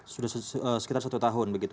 sudah sekitar satu tahun begitu